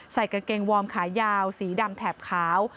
ใส่กางเกงวอร์มขายาวสีดำแถบขาว